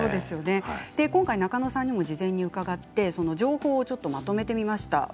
今回、中野さんにも事前に伺って情報まとめてみました。